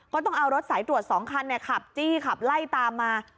ก็ต้องเอารถสายรวด๒คันเนี่ยครับจี้ครับไล่ตามมา